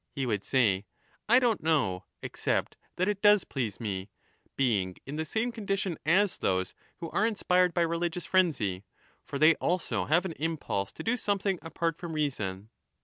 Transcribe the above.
— he would say, ' I don't know, except that it does please me,' being in the same condition as those who are inspired by religious frenzy ; for they also have an impulse to do something apart from reason.